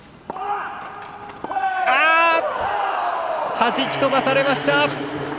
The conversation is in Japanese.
はじき飛ばされました！